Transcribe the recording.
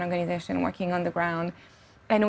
organisasi humanitarian yang bekerja di tanah